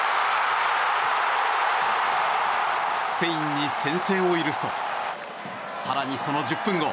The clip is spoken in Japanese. スペインに先制を許すと更にその１０分後。